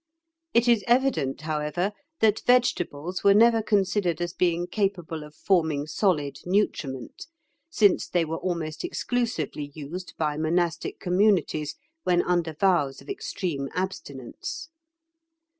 It is evident, however, that vegetables were never considered as being capable of forming solid nutriment, since they were almost exclusively used by monastic communities when under vows of extreme abstinence.